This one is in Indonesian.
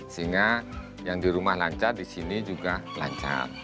sehingga yang di rumah lancar di sini juga lancar